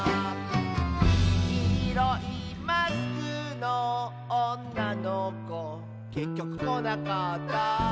「きいろいマスクのおんなのこ」「けっきょくこなかった」